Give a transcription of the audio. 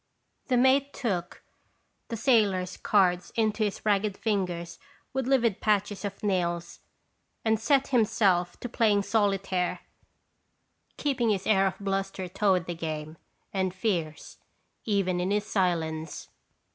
The mate took the sailor's cards into his ragged fingers with livid patches of nails and set himself to playing solitaire ', keeping his air <3t Gracious tUsitatian. 191 of bluster toward the game, and fierce, even in his silence.